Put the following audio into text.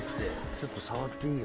ちょっと触っていい？